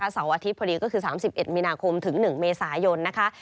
เสาร์อาทิตย์พอดีก็คือ๓๑มีนาคมถึง๑เมษายนนะคะ